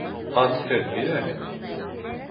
— Ат һөт бирәме ни?